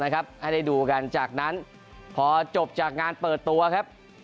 ให้ได้ดูกันจากนั้นพอจบจากงานเปิดตัวครับ